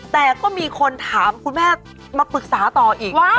แต่ก็มีคนถามคุณแม่มาปรึกษาต่ออีกว่า